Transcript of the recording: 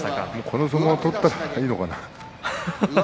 この相撲を取ったらいいのかな。